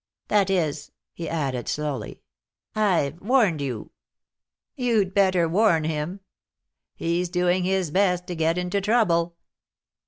"That is," he added slowly, "I've warned you. You'd better warn him. He's doing his best to get into trouble."